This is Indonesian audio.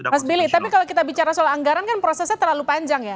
mas billy tapi kalau kita bicara soal anggaran kan prosesnya terlalu panjang ya